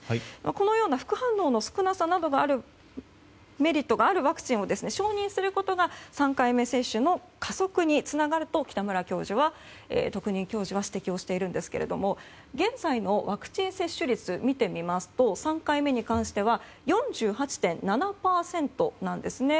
このような副反応の少なさというメリットがあるワクチンを承認することが３回目接種の加速につながると北村特任教授は指摘しているんですけど現在のワクチン接種率を見てみますと３回目に関しては４８．７％なんですね。